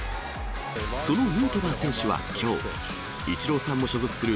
そのヌートバー選手はきょう、イチローさんも所属する